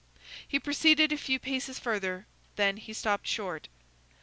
He proceeded a few paces further, then he stopped short.